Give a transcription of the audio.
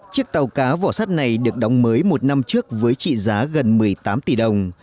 chiếc tàu cá vỏ sắt này được đóng mới một năm trước với trị giá gần một mươi tám tỷ đồng